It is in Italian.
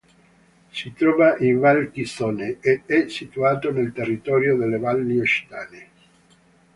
Si trova in Val Chisone ed è situato nel territorio delle valli occitane.